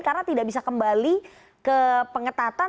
karena tidak bisa kembali ke pengetatan